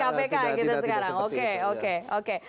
mengintai kpk gitu sekarang oke oke